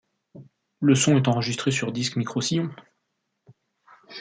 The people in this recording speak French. Le son est enregistré sur disque microsillon.